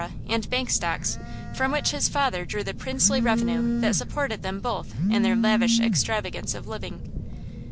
and bank stocks, from which his father drew the princely revenue that supported them both in their lavish extravagance of living.